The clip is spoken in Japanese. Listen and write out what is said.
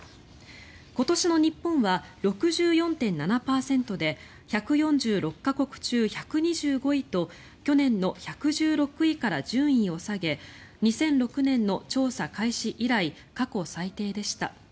今年の日本は６４．７％で１４６か国中１２５位と去年の１１６位から順位を下げ２００６年の調査開始以来過去最低でした。